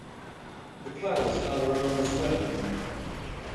The plow is Balarama's weapon.